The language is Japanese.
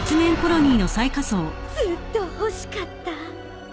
ずっと欲しかった。